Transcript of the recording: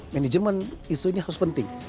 manajemen isu ini harus penting